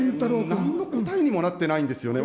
なんの答えにもなってないんですよね。